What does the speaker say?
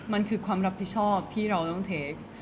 มันคือความรับผิดชอบที่เราต้องเทค